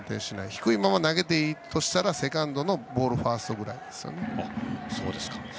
低いままで投げていいとしたらセカンドのボールをファーストくらいですね。